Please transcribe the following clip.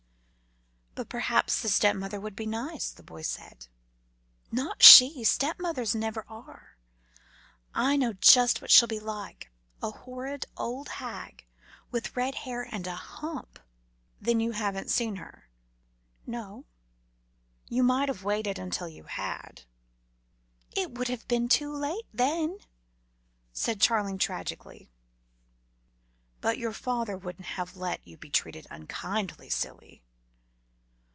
"But perhaps the stepmother would be nice," the boy said. "Not she. Stepmothers never are. I know just what she'll be like a horrid old hag with red hair and a hump!" "Then you've not seen her?" "No." "You might have waited till you had." "It would have been too late then," said Charling tragically. "But your father wouldn't have let you be treated unkindly, silly."